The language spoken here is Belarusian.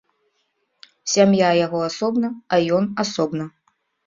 Сям'я яго асобна, а ён асобна.